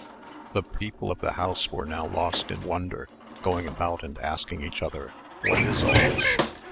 The people of the house were now lost in wonder, going about and asking each other, "What is all this?"